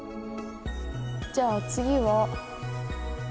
じゃあ次は。